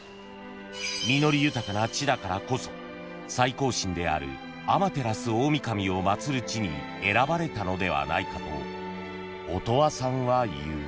［実り豊かな地だからこそ最高神である天照大御神を祭る地に選ばれたのではないかと音羽さんは言う］